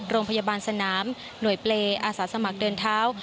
โรงพยาบาลสนามหน่วยเปรย์อาสาสมัครเดินเท้า